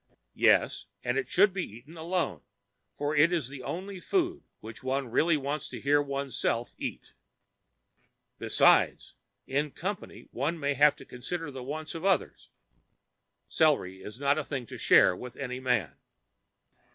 Yes, and it should be eaten alone, for it is the only food which one really wants to hear oneself eat. Besides, in company one may have to consider the wants of others. Celery is not a thing to share with any man.